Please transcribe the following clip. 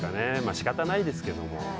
しかたないですけども。